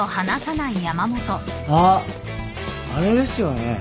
あっあれですよね。